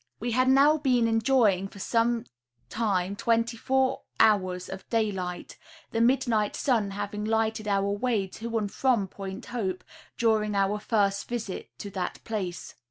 We had now been enjoying for some time twenty fours hours of daylight, the midnight sun having lighted our way to and from Point Hope during our first visit to that place.